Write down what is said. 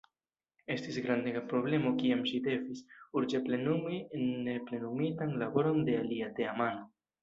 Estis grandega problemo kiam ŝi devis “urĝe plenumi neplenumitan laboron de alia teamano.